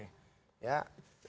dan gini mas budi prinsip dasar gini